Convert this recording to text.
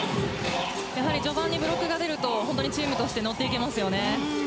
序盤にブロックが出るとチームとして乗っていきますよね。